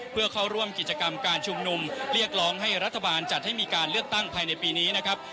เพื่อเข้าร่วมกิจกรรมการชุมนุมเรียกร้องให้รัฐบาลจัดให้มีการเลือกตั้งภายในปีนี้นะครับ